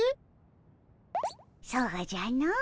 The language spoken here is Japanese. そうじゃの。